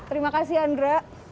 terima kasih andra